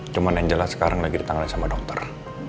cuman yang jelas sekarang lagi ditangani sama dokter